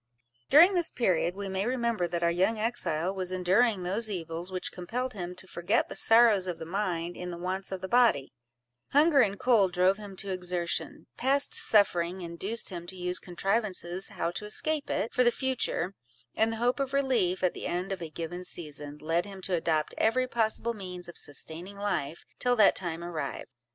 During this period, we may remember that our young exile was enduring those evils which compelled him to forget the sorrows of the mind in the wants of the body: hunger and cold drove him to exertion—past suffering induced him to use contrivances how to escape it, for the future—and the hope of relief, at the end of a given season, led him to adopt every possible means of sustaining life till that time arrived.